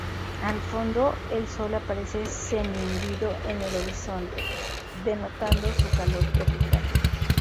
Al fondo, el sol aparece semi-hundido en el horizonte, denotando su calor tropical.